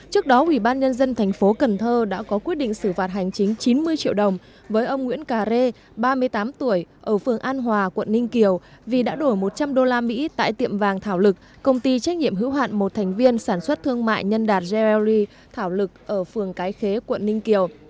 trước đó ủy ban nhân dân thành phố cần thơ đã có quyết định xử phạt hành chính chín mươi triệu đồng với ông nguyễn cà rê ba mươi tám tuổi ở phường an hòa quận ninh kiều vì đã đổi một trăm linh usd tại tiệm vàng thảo lực công ty trách nhiệm hữu hạn một thành viên sản xuất thương mại nhân đạt gelly thảo lực ở phường cái khế quận ninh kiều